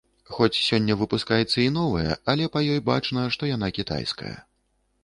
Хоць сёння выпускаецца і новая, але па ёй бачна, што яна кітайская.